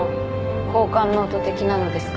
交換ノート的なのですか？